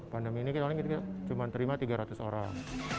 pandemi ini kita cuma terima tiga ratus orang